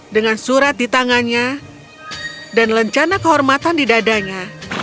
dengan surat di tangannya dan lencana kehormatan di dadanya